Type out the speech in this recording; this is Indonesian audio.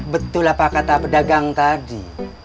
betul apa kata pedagang tadi